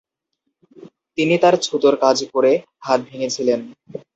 তিনি তার ছুতার কাজ করে হাত ভেঙেছিলেন।